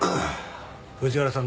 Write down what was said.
藤原さん